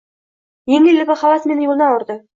Yengil-yelpi havas meni yo’ldan urdi.